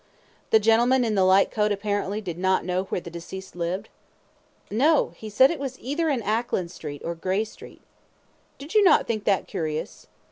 Q. The gentleman in the light coat apparently did not know where the deceased lived? A. No; he said it was either in Ackland Street or Grey Street. Q. Did you not think that curious?